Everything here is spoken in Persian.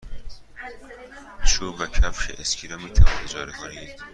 چوب و کفش اسکی را می توانید اجاره کنید.